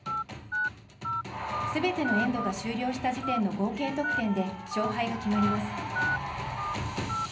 すべてのエンドが終了した時点の合計得点で勝敗が決まります。